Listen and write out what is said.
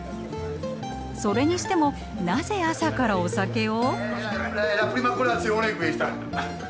それにしてもなぜ朝からお酒を？